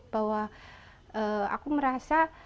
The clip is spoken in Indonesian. bahwa aku merasa